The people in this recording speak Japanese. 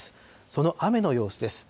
その雨の様子です。